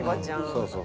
そうそう。